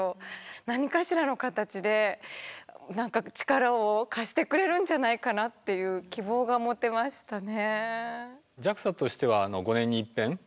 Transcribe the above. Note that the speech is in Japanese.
何かしらの形で何か力を貸してくれるんじゃないかなっていう希望が持てましたね。